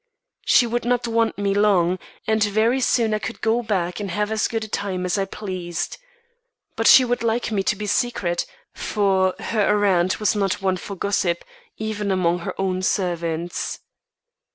She would not want me long, and very soon I could go back and have as good a time as I pleased. But she would like me to be secret, for her errand was not one for gossip, even among her own servants.